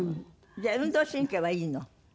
じゃあ運動神経はいいの？いいの。